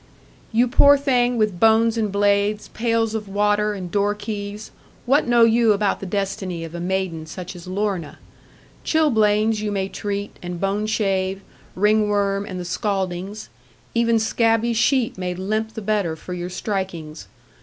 'You poor thing, with bones and blades, pails of water, and door keys, what know you about the destiny of a maiden such as Lorna? Chilblains you may treat, and bone shave, ringworm, and the scaldings; even scabby sheep may limp the better for your strikings.